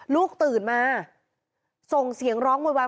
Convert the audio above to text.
ลูกตื่นมาส่งเสียงร้องโวยวาย